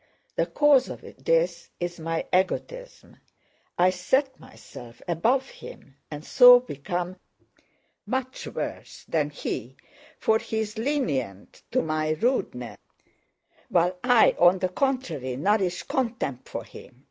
The cause of this is my egotism. I set myself above him and so become much worse than he, for he is lenient to my rudeness while I on the contrary nourish contempt for him.